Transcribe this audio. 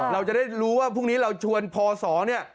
เราจะได้รู้ว่าพรุ่งนี้เราชวนพศเนี่ย